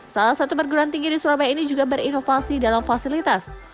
salah satu perguruan tinggi di surabaya ini juga berinovasi dalam fasilitas